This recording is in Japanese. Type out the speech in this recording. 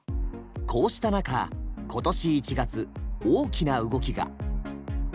こうした中今年１月大きな動きが。